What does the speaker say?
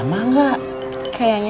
mas suha berani ya